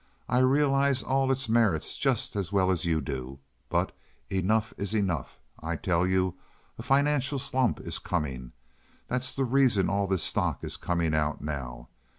I realize all its merits just as well as you do. But enough is enough. I tell you a financial slump is coming. That's the reason all this stock is coming out now.